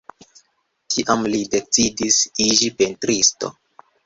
Tiam li decidis iĝi pentristo.